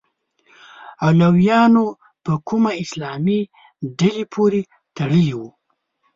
علویانو په کومه اسلامي ډلې پورې تړلي وو؟